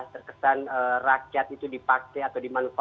terkesan rakyat itu dipakai atau dimanfaatkan